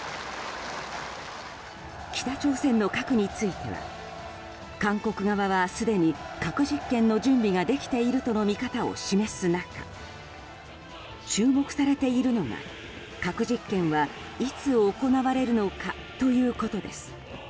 北朝鮮の核については韓国側は、すでに核実験の準備ができているとの見方を示す中注目されているのが核実験はいつ行われるのかということです。